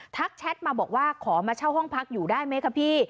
แชทมาบอกว่าขอมาเช่าห้องพักอยู่ได้ไหมคะพี่